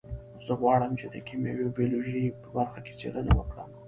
زه غواړم چې د کیمیا او بیولوژي په برخه کې څیړنه وکړم